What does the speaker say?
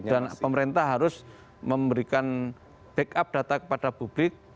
dan pemerintah harus memberikan backup data kepada publik